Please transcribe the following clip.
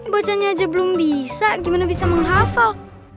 bocahnya aja belum bisa gimana bisa menghafal